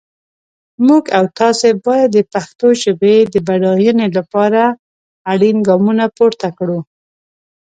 موږ او تاسي باید د پښتو ژپې د بډاینې لپاره اړین ګامونه پورته کړو.